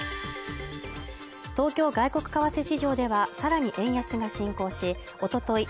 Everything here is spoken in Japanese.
東京外国為替市場ではさらに円安が進行しおととい